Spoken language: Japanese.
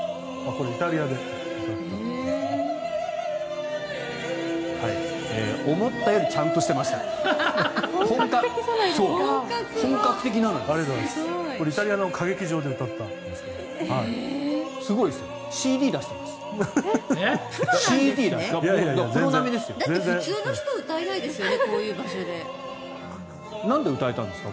これ、イタリアの歌劇場で歌ったんです。